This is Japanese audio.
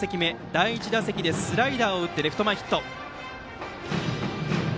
第１打席でスライダーを打ってレフト前ヒット。